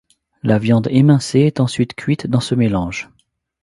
La viande émincée est ensuite cuite dans ce mélange.